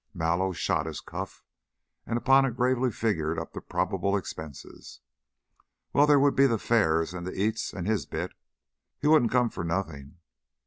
Mallow "shot" his cuff and upon it gravely figured up the probable expense. "Well, there would be the fares and the eats and his bit he wouldn't come for nothing.